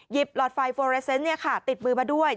หยิบหลอดไฟโฟร์เอสเซนต์เนี่ยค่ะติดมือมาด้วย